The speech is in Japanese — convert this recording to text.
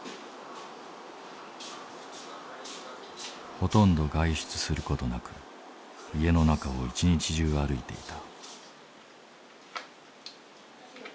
ほとんど外出する事なく家の中を一日中歩いていた。